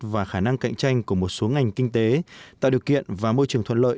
và khả năng cạnh tranh của một số ngành kinh tế tạo điều kiện và môi trường thuận lợi